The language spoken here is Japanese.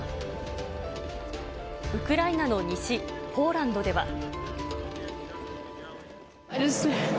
ウクライナの西、ポーランドでは。